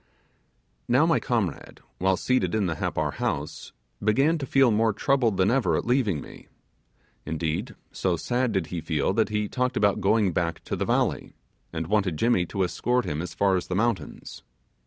Now my comrade, while seated in the Happar house, began to feel more troubled than ever at leaving me; indeed, so sad did he feel that he talked about going back to the valley, and wanted Jimmy to escort him as far as the mountains.